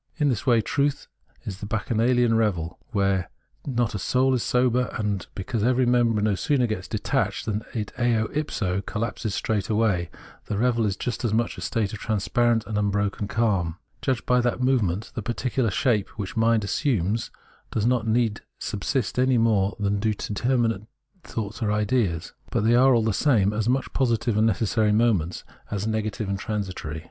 In this way truth is the bacchanalian revel, where not a soul is sober ; and because every member no sooner gets detached than it 60 ipso collapses straightway, the revel is just as much a state of transparent imbroken calm. Judged by that movement, the particular shapes which mind assumes do not indeed subsist any more than do determinate thoughts or ideas ; but they are, all the same, as much positive and necessary moments, as negative and tran sitory.